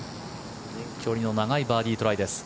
距離の長いバーディートライです。